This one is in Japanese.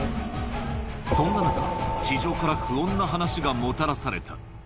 そんな中、地上から不穏な話がもたらされた。